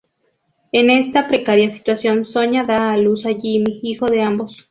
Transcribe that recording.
En esta precaria situación, Sonia da a luz a Jimmy, hijo de ambos.